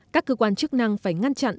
các cơ quan chức năng phải ngăn chặn